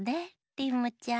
リムちゃん。